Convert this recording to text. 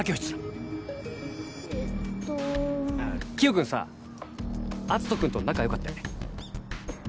君さ篤斗君と仲良かったよね？